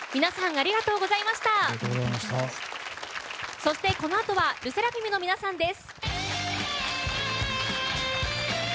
そしてこのあとはＬＥＳＳＥＲＡＦＩＭの皆さんです。